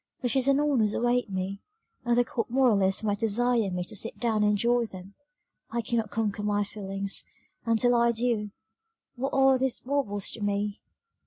"Riches and honours await me, and the cold moralist might desire me to sit down and enjoy them I cannot conquer my feelings, and till I do, what are these baubles to me?